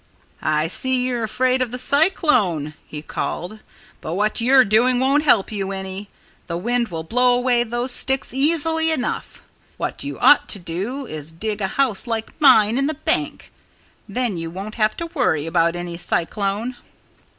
"I see you're afraid of the cyclone," he called. "But what you're doing won't help you any. The wind will blow away those sticks easily enough.... What you ought to do is to dig a house like mine in the bank. Then you won't have to worry about any cyclone."